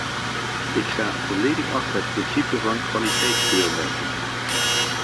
Ik sta volledig achter het principe van kwaliteitskeurmerken.